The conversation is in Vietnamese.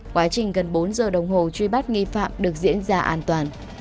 quá trình gần bốn giờ đồng hồ truy bắt nghi phạm được diễn ra an toàn